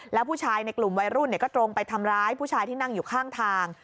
แล้วผู้ชายในกลุ่มวัยรุ่นก็ตรงไปทำร้ายผู้ชายที่นั่งอยู่ข้างทาง